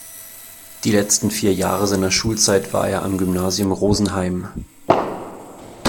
Die letzten vier Jahre seiner Schulzeit war er am Gymnasium Rosenheim.